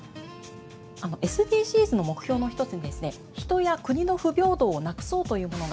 ＳＤＧｓの目標の一つにですね人や国の不平等をなくそうというものがあるんですね。